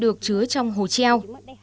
được chứa trong hồ treo